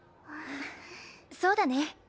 あそうだね。